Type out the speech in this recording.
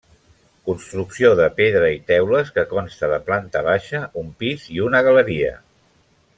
Construcció de pedra i teules que consta de planta baixa, un pis i una galeria.